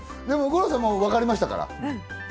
五郎さん、分かりましたから。